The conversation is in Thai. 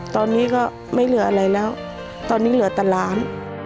ตอนนี้ก็ไม่เหลืออะไรแล้วตอนนี้เหลือแต่ล้าน